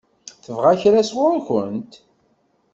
Tebɣa kra sɣur-kent?